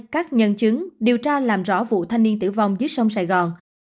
các nhân chứng điều tra làm rõ vụ thanh niên tử vong dưới sông sài gòn